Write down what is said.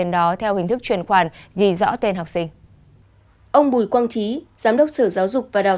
nhà trường báo cáo